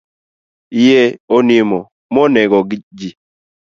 Yie onimo mo negoji.